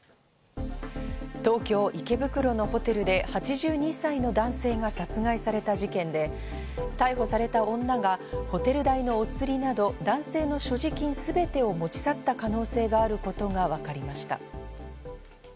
東京・池袋のホテルで８２歳の男性が殺害された事件で、逮捕された女がホテル代のおつりなど、男性の所持金すべてを持ち去った可能性があることがわかりました。